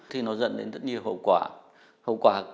thì nó dẫn đến rất nhiều hậu quả